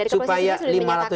supaya lima ratus itu